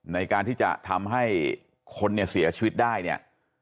ในการที่จะทำให้คนเนี่ยเสียชีวิตได้เนี่ย